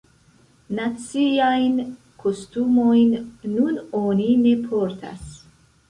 Naciajn kostumojn nun oni ne portas.